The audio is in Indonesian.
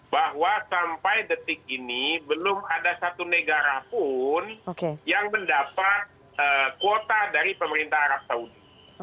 bahwa sampai detik ini belum ada satu negara pun yang mendapat kuota dari pemerintah arab saudi